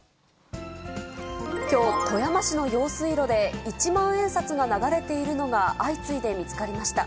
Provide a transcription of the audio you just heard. きょう、富山市の用水路で、一万円札が流れているのが相次いで見つかりました。